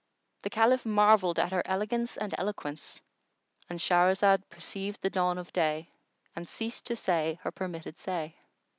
The Caliph marvelled at her elegance and eloquence.——And Shahrazad perceived the dawn of day and ceased to say her permitted say.